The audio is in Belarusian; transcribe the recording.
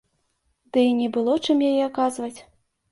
Ды і не было чым яе аказваць.